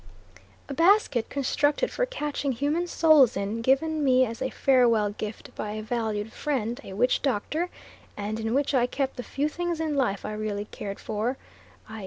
A basket constructed for catching human souls in, given me as a farewell gift by a valued friend, a witch doctor, and in which I kept the few things in life I really cared for, i.